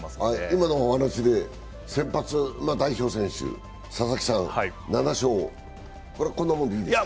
今のお話で先発、代表選手・佐々木さん７勝、こんなもんでいいんですか？